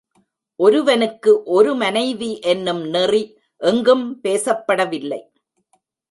ஒருவனுக்கு ஒரு மனைவி என்னும் நெறி எங்கும் பேசப்படவில்லை.